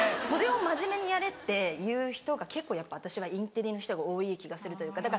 それを「真面目にやれ」って言う人が結構やっぱ私はインテリの人が多い気がするというか。